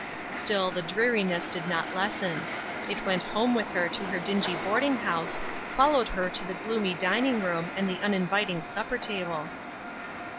Still the dreariness did not lessen. It went home with her to her dingy boarding house, followed her to the gloomy dining room and the uninviting supper table.